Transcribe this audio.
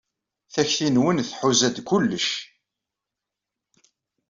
Takti-nwen tḥuza-d kullec.